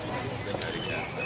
makin deket harinya nih pak